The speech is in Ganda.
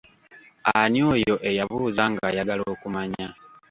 Ani oyo eyabuuza ng'ayagala okumanya?